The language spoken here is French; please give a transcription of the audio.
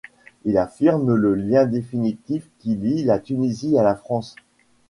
Il affirme le lien définitif qui lie la Tunisie à la France.